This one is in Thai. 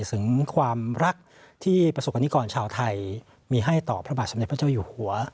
ถึงความรักที่ประสบกรณิกรชาวไทยมีให้ต่อพระบาทสมเด็จพระเจ้าอยู่หัว